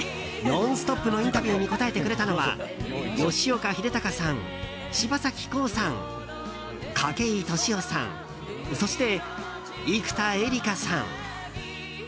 「ノンストップ！」のインタビューに答えてくれたのは吉岡秀隆さん、柴咲コウさん筧利夫さんそして生田絵梨花さん。